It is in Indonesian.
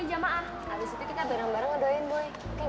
tapi jamaah abis itu kita bareng bareng ngedoain boy